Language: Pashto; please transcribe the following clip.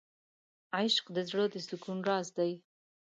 عشق د زړه د سکون راز دی.